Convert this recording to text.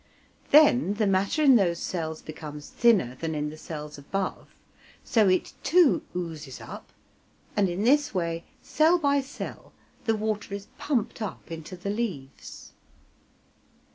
Then the matter in those cells becomes thinner than in the cells above, so it too oozes up, and in this way cell by cell the water is pumped up into the leaves.